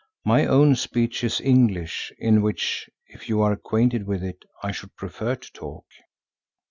My own speech is English, in which, if you are acquainted with it, I should prefer to talk."